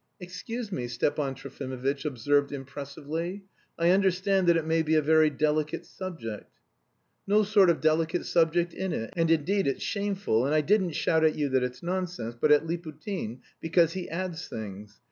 "Excuse me," Stepan Trofimovitch observed impressively. "I understand that it may be a very delicate subject...." "No sort of delicate subject in it, and indeed it's shameful, and I didn't shout at you that it's nonsense, but at Liputin, because he adds things.